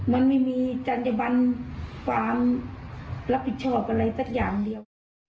มันไม่มีจัญญบันความรับผิดชอบอะไรสักอย่างเดียว